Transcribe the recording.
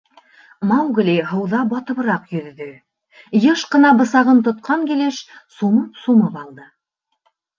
Маугли һыуҙа батыбыраҡ йөҙҙө, йыш ҡына бысағын тотҡан килеш сумып-сумып алды.